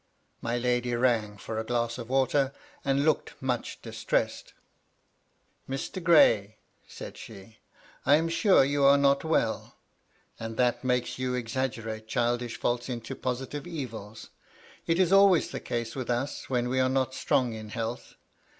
My lady rang for a glass of water, and looked much distressed. " Mr. Gray," said she, " I am sure you are not well ; and that makes you exaggerate childish faults into positive evils. It is always the case with us when we are not strong in health.